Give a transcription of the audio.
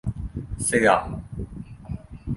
เสื่อม